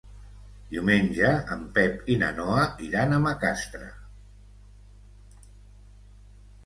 Diumenge en Pep i na Noa iran a Macastre.